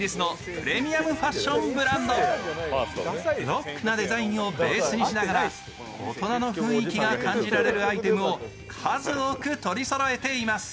ロックなデザインをベースにしながら大人の雰囲気が感じられるアイテムを数多く取りそろえています。